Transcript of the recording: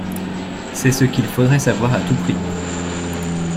C’est ce qu’il faudrait savoir à tout prix